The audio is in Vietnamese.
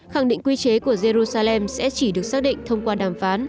khẳng định quy chế của jerusalem sẽ chỉ được xác định thông qua đàm phán